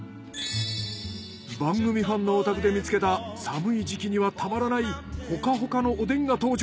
番組ファンのお宅で見つけた寒い時期にはたまらないホカホカのおでんが登場。